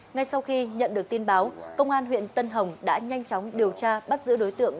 ngay sau khi nhận được tin báo công an huyện tân hồng đã nhanh chóng điều tra bắt giữ đối tượng